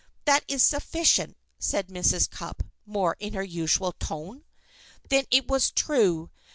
That is sufficient," said Mrs. Cupp, more in her usual tone. Then it was true.